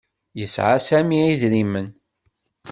Yesɛa Sami idrimen.